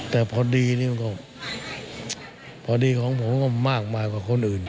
แต่พอดีนี่มันก็พอดีของผมก็มากมายกว่าคนอื่น